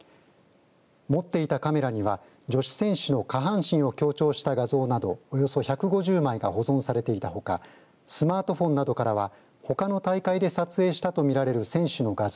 持っていたカメラには女子選手の下半身を強調した画像などおよそ１５０枚が保存されていたほか、スマートフォンなどからはほかの大会で撮影したとみられる選手の画像